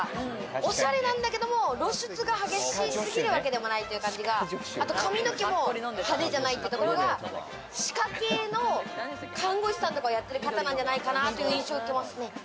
おしゃれなんだけれども、露出が激し過ぎるわけでもないという感じが、あと髪の毛も派手じゃないってところが歯科系の看護師さんとかやってる方なんじゃないかなという印象を受けますね。